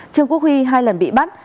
trương quốc huy hai lần bị bắt